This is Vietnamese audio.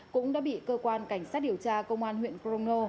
cũng đã bị cơ quan cảnh sát điều tra công an huyện crono